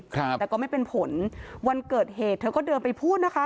ครับแต่ก็ไม่เป็นผลวันเกิดเหตุเธอก็เดินไปพูดนะคะ